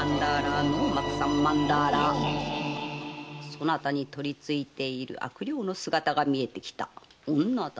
そなたに取り憑いている悪霊の姿が見えてきた女だ。